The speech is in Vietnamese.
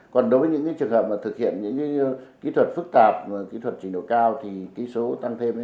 còn đối với những trường hợp thực hiện những kỹ thuật phức tạp kỹ thuật trình độ cao thì kỹ số tăng thêm đấy